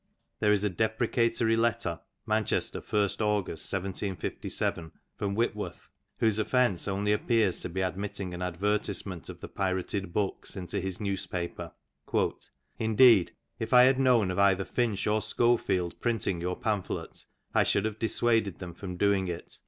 There is a deprecatory letter (Manchester, 1st August, 1757) from Whitworth, whose offence only appears to be admitting an adyertisement of the pirated books into his newspaper : "Indeed if I had known of either Finch or Schofield printing your « pamphlet, I should haye dissuaded them from doing it.